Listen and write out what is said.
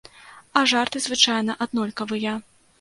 А жарты звычайна аднолькавыя.